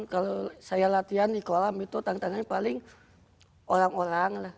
kalau saya latihan di kolam itu tantangannya paling orang orang lah